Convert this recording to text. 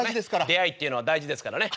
出会いっていうのは大事ですからね。